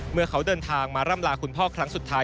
เมื่อเขาเดินทางมาร่ำลาคุณพ่อครั้งสุดท้าย